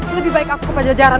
lebih baik aku ke pajajaran